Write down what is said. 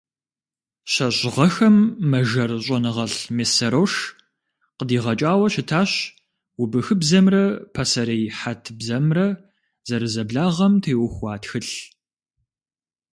ЩэщӀ гъэхэм мэжэр щӀэныгъэлӀ Мессарош къыдигъэкӀауэ щытащ убыхыбзэмрэ пасэрей хьэт бзэмрэ зэрызэблагъэм теухуа тхылъ.